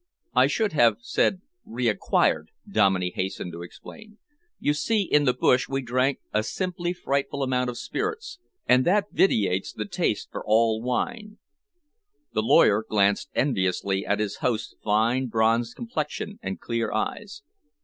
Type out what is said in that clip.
"I should have said reacquired," Dominey hastened to explain. "You see, in the bush we drank a simply frightful amount of spirits, and that vitiates the taste for all wine." The lawyer glanced enviously at his host's fine bronzed complexion and clear eyes.